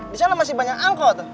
di sana masih banyak angkot